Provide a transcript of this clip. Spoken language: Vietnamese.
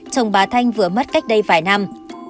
chồng bà thanh vừa mất cách đây vài năm